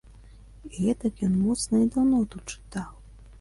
І гэтак ён моцна і даўно тут чытаў!